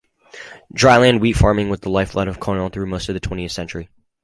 Dryland wheat farming was the lifeblood of Connell through most of the twentieth century.